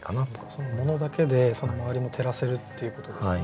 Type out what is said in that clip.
その物だけでその周りも照らせるっていうことですよね。